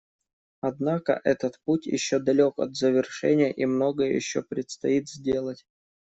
Однако этот путь еще далек от завершения и многое еще предстоит сделать.